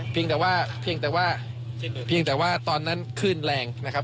เพียงแต่ว่าตอนนั้นขึ้นแรงนะครับ